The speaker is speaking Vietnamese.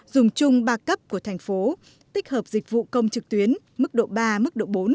dùng chung ba cấp của thành phố tích hợp dịch vụ công trực tuyến mức độ ba bốn